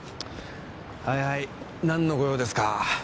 はいはいなんのご用ですか？